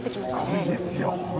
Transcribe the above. すごいですよ。